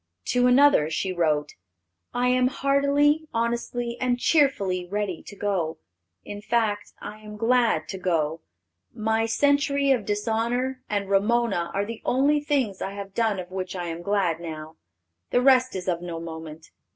To another she wrote, "I am heartily, honestly, and cheerfully ready to go. In fact, I am glad to go. My Century of Dishonor and Ramona are the only things I have done of which I am glad now. The rest is of no moment.